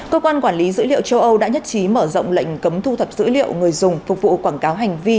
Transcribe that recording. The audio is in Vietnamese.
cơ quan quản lý dữ liệu châu âu đã nhất trí mở rộng lệnh cấm thu thập dữ liệu người dùng phục vụ quảng cáo hành vi